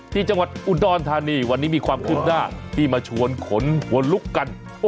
ที่จังหวัดอุดรธานีวันนี้มีความคืบหน้าที่มาชวนขนหัวลุกกัน